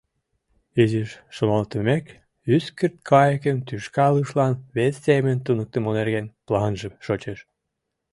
Изиш шоналтымек, ӱскырт кайыкым тӱшка илышлан вес семын туныктымо нерген планже шочеш.